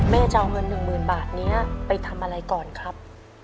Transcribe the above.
จะเอาเงิน๑๐๐๐บาทนี้ไปทำอะไรก่อนครับ